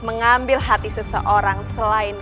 mengambil hati seseorang selaini dia